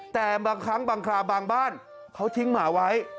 แต่บางครั้งบางคราวบางบ้านเขาทิ้งหมาไว้